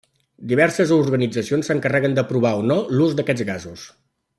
Diverses organitzacions s'encarreguen d'aprovar o no l'ús d'aquests gasos.